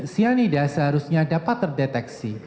cyanide seharusnya dapat terdeteksi